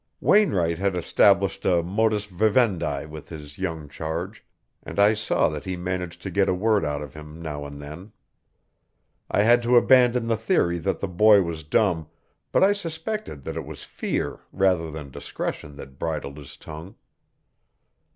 Wainwright had established a modus vivendi with his young charge, and I saw that he managed to get a word out of him now and then. I had to abandon the theory that the boy was dumb, but I suspected that it was fear rather than discretion that bridled his tongue.